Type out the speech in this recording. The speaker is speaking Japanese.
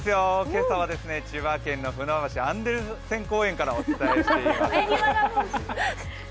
今朝は千葉県のふなばしアンデルセン公園からお伝えしています。